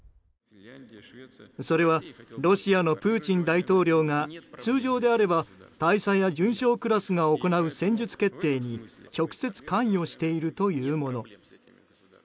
それは、ロシアのプーチン大統領が通常であれば大佐や准将クラスが行う戦術決定に直接関与しているというもの。